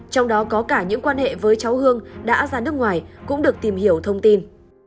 trong đó có cả những quan hệ với cháu hương đã ra nước ngoài cũng được tìm hiểu thông tin